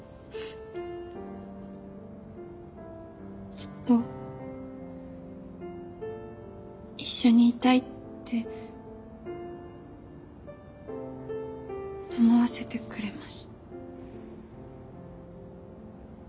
ずっと一緒にいたいって思わせてくれます。